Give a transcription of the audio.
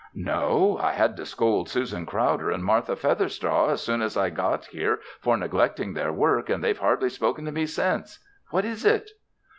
"No. I had to scold Susan Crowder and Martha Featherstraw as soon as I got here for neglecting their work and they've hardly spoken to me since. What is it?"